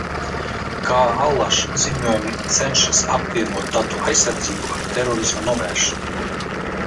Kā allaž, ziņojumi cenšas apvienot datu aizsardzību ar terorisma novēršanu.